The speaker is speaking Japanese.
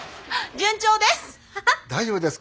順調です。